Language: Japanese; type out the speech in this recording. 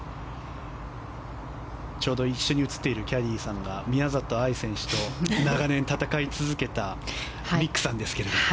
ちょうど一緒に映っているキャディーさんが宮里藍選手と長年、戦い続けたミックさんです。